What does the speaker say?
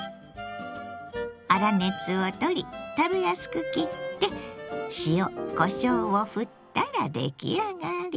粗熱を取り食べやすく切って塩こしょうをふったら出来上がり。